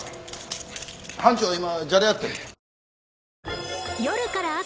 班長は今じゃれ合ってる。